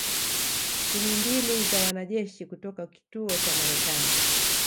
timu mbili za wanajeshi kutoka kituo cha Marekani